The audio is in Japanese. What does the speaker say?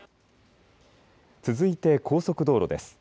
続いて高速道路です。